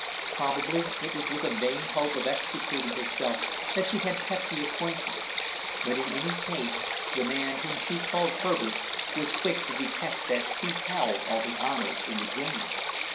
Probably it was with a vain hope of extricating herself that she had kept the appointment; but, in any case, the man whom she called Herbert was quick to detect that he held all the honours in the game.